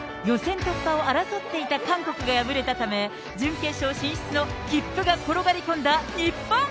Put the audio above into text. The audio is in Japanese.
予選突破を争っていた韓国が敗れたため、準決勝進出の切符が転がり込んだ日本。